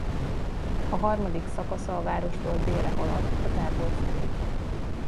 A harmadik szakasza a várostól délre haladt a tábor felé.